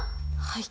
はい。